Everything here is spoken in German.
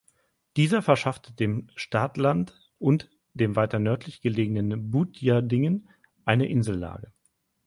Dieser verschaffte dem Stadland und dem weiter nördlich gelegenen Butjadingen eine Insellage.